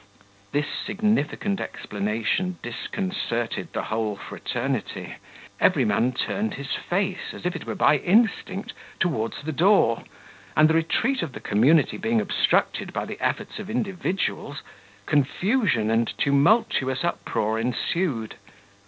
This significant explanation disconcerted the whole fraternity; every man turned his face, as if it were by instinct, towards the door; and the retreat of the community being obstructed by the efforts of individuals, confusion and tumultuous uproar ensued.